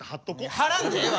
貼らんでええわ！